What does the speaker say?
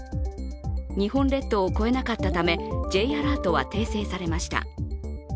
日本列島を越えなかったためＪアラートは訂正されました。